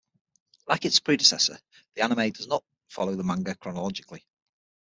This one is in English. Like its predecessor, the anime does not follow the manga chronologically.